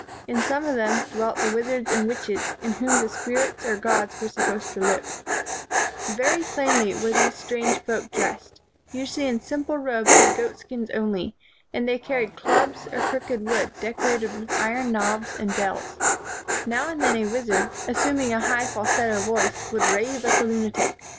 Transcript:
In some of them dwelt the wizards and witches, in whom the spirits or gods were supposed to live. Very plainly were these strange folk 112 The Great Wizard cf the Lake es About to Vise: the King " KING AND WIZARD dressed, usually in simple robes of goat skins only ; and they carried clubs of crooked wood decorated with iron knobs and bells. Now and then a wizard, assuming a high fal setto voice, would rave like a lunatic.